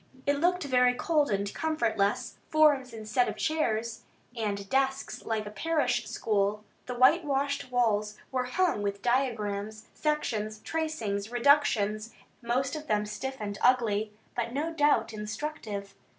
It looked very cold and comfortless; forms instead of chairs, and desks like a parish school. The whitewashed walls were hung with diagrams, sections, tracings, reductions, most of them stiff and ugly, but no doubt instructive.